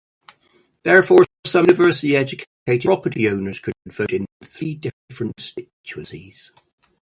Therefore some university-educated property owners could vote in three different constituencies.